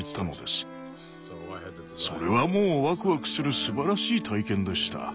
それはもうワクワクするすばらしい体験でした。